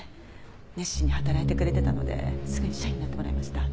熱心に働いてくれてたのですぐに社員になってもらいました。